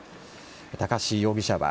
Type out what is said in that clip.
高師容疑者は